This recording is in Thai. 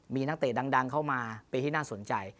มีนักเตะดังเข้ามาปีที่น่าสนใจ